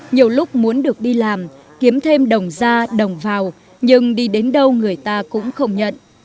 nhiều lúc muốn được đi làm kiếm thêm đồng ra đồng vào nhưng đi đến đâu người ta cũng không nhận